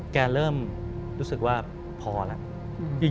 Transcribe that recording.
แกเริ่มรู้สึกว่าพอแล้ว